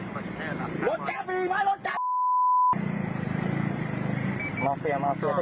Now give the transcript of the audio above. มึงถ่าย